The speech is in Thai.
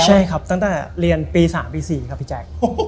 ใช่ครับตั้งแต่เรียนปี๓ปี๔ครับพี่แจ๊ค